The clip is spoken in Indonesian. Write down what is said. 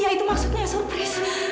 iya itu maksudnya surprise